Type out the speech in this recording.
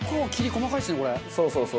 そうそうそう。